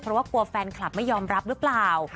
เพราะว่ากลัวแฟนคลับไม่ยอมรับหรือเปล่า